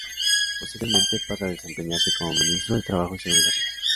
Posteriormente pasa a desempeñarse como Ministro de Trabajo y Seguridad Social.